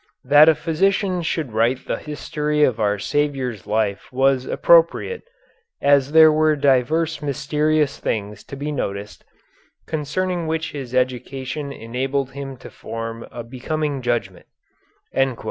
That a physician should write the history of our Saviour's life was appropriate, as there were divers mysterious things to be noticed, concerning which his education enabled him to form a becoming judgment.